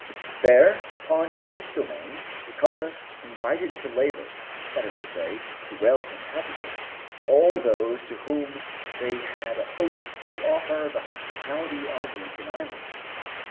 There, upon this domain, the colonists invited to labor, that is to say, to wealth and happiness, all those to whom they had hoped to offer the hospitality of Lincoln Island.